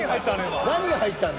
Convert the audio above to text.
今何が入ったんだ？